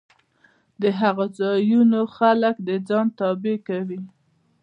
د هغو ځایونو خلک د ځان تابع کوي